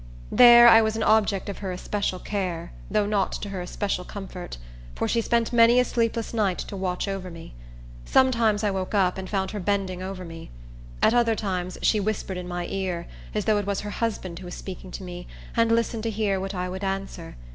There I was an object of her especial care, though not to her especial comfort, for she spent many a sleepless night to watch over me. Sometimes I woke up, and found her bending over me. At other times she whispered in my ear, as though it was her husband who was speaking to me, and listened to hear what I would answer.